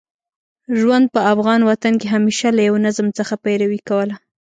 ژوند په افغان وطن کې همېشه له یوه نظم څخه پیروي کوله.